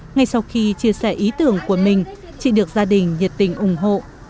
ngay sau khi chia sẻ ý tưởng của mình chị được gia đình nhiệt tình ủng hộ